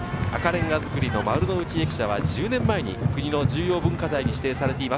赤れんが造りの丸の内駅舎は１０年前に国の重要文化財に指定されています。